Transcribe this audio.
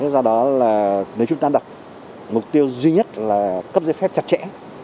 do đó là nếu chúng ta đặt mục tiêu duy nhất là cấp giấy phép chặt chẽ